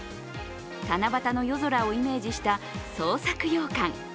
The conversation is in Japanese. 七夕の夜空をイメージした創作ようかん